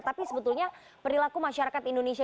tapi sebetulnya perilaku masyarakat indonesia